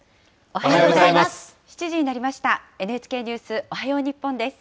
おはようございます。